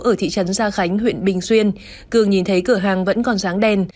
ở thị trấn gia khánh huyện bình xuyên cường nhìn thấy cửa hàng vẫn còn ráng đen